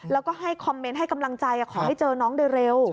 แล้วก็ให้คอมเมนต์ให้กำลังใจขอให้เจอน้องโดยเร็ว